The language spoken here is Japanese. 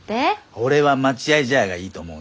俺は待合茶屋がいいと思うねえ。